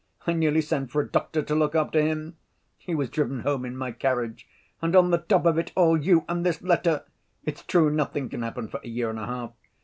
I nearly sent for a doctor to look after him. He was driven home in my carriage. And on the top of it all, you and this letter! It's true nothing can happen for a year and a half.